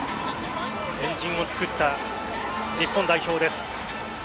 円陣を作った日本代表です。